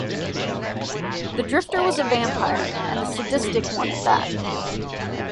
The drifter was a vampire, and a sadistic one at that.